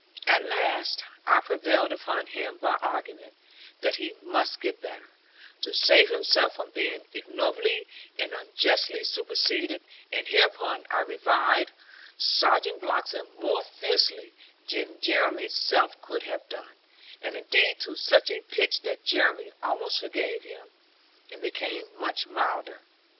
At last I prevailed upon him by argument, that he must get better, to save himself from being ignobly and unjustly superseded; and hereupon I reviled Sergeant Bloxham more fiercely than Jeremy's self could have done, and indeed to such a pitch that Jeremy almost forgave him, and became much milder.